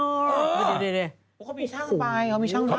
ดูเพราะเขามีช่างปลอดภัย